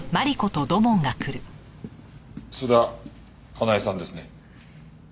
須田華枝さんですね？